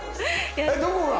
どこが？